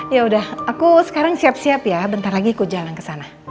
yaudah aku sekarang siap siap ya bentar lagi aku jalan ke sana